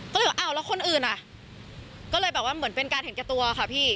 ก็เลยว่าอ้าวแล้วคนอื่นอ่ะก็เลยแบบว่าเหมือนเป็นการเห็นแก่ตัวค่ะพี่